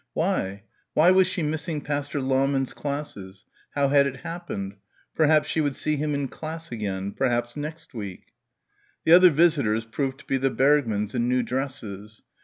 Why? Why was she missing Pastor Lahmann's classes? How had it happened? Perhaps she would see him in class again. Perhaps next week.... The other visitors proved to be the Bergmanns in new dresses.